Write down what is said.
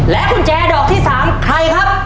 กุญแจดอกที่๓ใครครับ